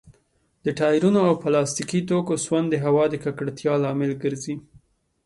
د ټايرونو او پلاستيکي توکو سون د هوا د ککړتيا لامل ګرځي.